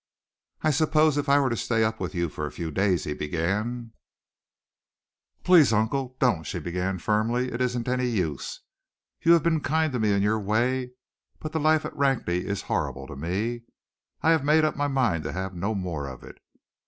"I suppose if I were to stay up with you for a few days," he began, "Please, uncle, don't!" she began firmly. "It isn't any use. You have been kind to me in your way, but the life at Rakney is horrible to me. I have made up my mind to have no more of it.